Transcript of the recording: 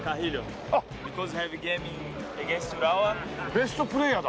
ベストプレーヤーだ。